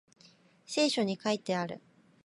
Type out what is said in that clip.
聖書に書いてある